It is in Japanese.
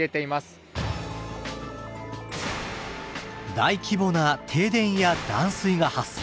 大規模な停電や断水が発生。